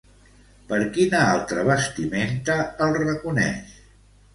Per quina altra vestimenta el reconeix?